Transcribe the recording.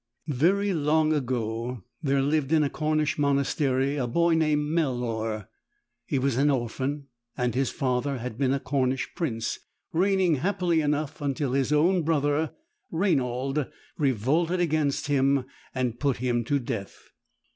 V ERY long ago there lived in a Cornish monastery a boy named Melon He was an orphan and his father had been a Cornish prince, reigning happily enough until his own brother, Rainald, revolted against him and put him to death.